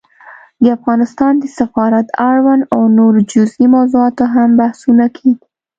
د افغانستان د سفارت اړوند او نورو جزيي موضوعاتو هم بحثونه کېږي